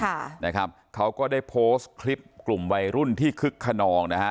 ค่ะนะครับเขาก็ได้โพสต์คลิปกลุ่มวัยรุ่นที่คึกขนองนะฮะ